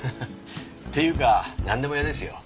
っていうかなんでも屋ですよ。